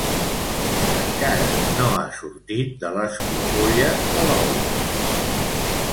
Encara no ha sortit de l'esclofolla de l'ou.